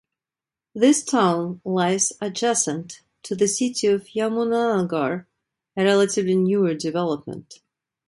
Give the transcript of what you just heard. This town lies adjacent to the city of Yamunanagar a relatively newer development.